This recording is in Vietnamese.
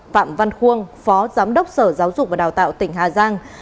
phạm văn khuôn phó giám đốc sở giáo dục và đào tạo tỉnh hà giang